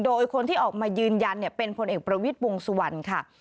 โดยคนที่ออกมายืนยันเป็นพลเอกประวิทย์วงสุวรรณค่ะ